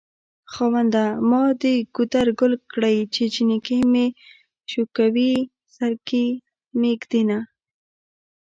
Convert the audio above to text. خاونده ما دګودر ګل کړی چې جنکي مې شوکوی سرکې مې ږد ينه